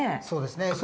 そうですね。